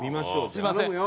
すみません。